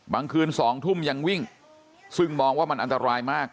คืน๒ทุ่มยังวิ่งซึ่งมองว่ามันอันตรายมาก